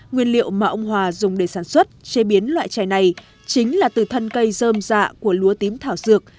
nguyên liệu mà ông hòa dùng để sản xuất chế biến loại trẻ này chính là từ thân cây dơm dạ của lúa tím thảo dược